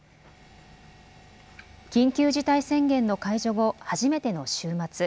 緊急事態宣言の解除後、初めての週末。